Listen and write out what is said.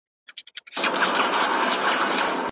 له دې جګړې څه بـرى را نه وړي